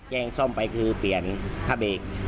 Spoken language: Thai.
แจ้งซ่อมไปคือเปลี่ยนผ้าเบรก